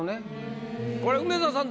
これ梅沢さん